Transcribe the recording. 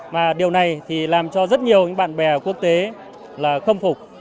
mà điều này thì làm cho rất nhiều bạn bè quốc tế là không phục